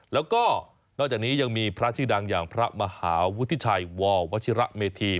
แล้วก็นอกจากนี้ยังมีพระชื่อดังอย่างพระมหาวุฒิชัยววชิระเมธี